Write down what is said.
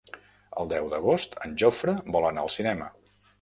El deu d'agost en Jofre vol anar al cinema.